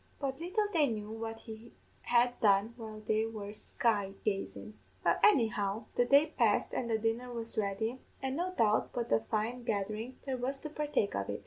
But little they knew what he had done while they were sky gazin'! "Well, anyhow, the day passed and the dinner was ready, an' no doubt but a fine gatherin' there was to partake of it.